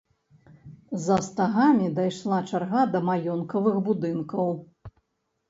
За стагамі дайшла чарга да маёнткавых будынкаў.